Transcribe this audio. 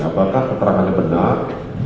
apakah keterangan benar